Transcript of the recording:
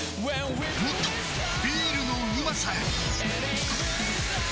もっとビールのうまさへ！